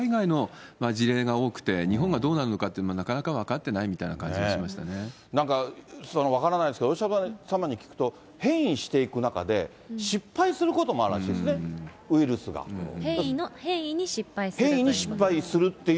一応見たんですけど、それは海外の事例が多くて、日本がどうなるのかというのはなかなか分かってないみたいな感じなんか、分からないですけどお医者様に聞くと、変異していく中で、失敗することもあるらしい変異に失敗するという。